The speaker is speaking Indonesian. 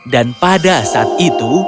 dan pada saat itu